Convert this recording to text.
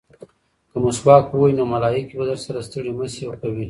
که مسواک ووهې نو ملایکې به درسره ستړې مه شي کوي.